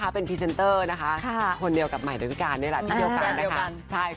เป็นพีเซนเตอร์คนเดียวกับใหม่ด้วยแล้ว